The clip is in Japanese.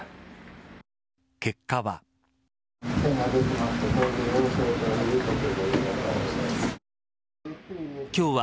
結果は。